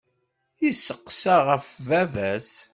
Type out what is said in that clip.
Yesseqsa ɣef baba-s.